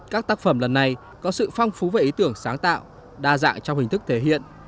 các tác phẩm lần này có sự phong phú về ý tưởng sáng tạo đa dạng trong hình thức thể hiện